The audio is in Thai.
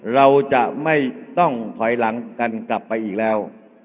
เราจะไม่ต้องถอยหลังกันกลับไปอีกแล้ว